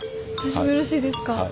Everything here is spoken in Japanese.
私もよろしいですか？